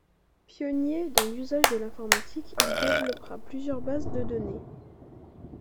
Pionnier dans l'usage de l'informatique, il développera plusieurs bases de données.